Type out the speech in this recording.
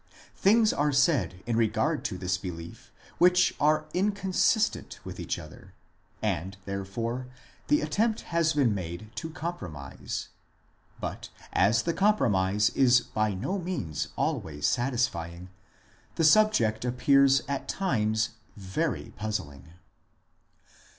Things are said in regard to this belief which are inconsistent with each other ; and, therefore, the attempt has been made to compromise. But as the compromise is by no means always satisfying, the subject appears at times very puzzling.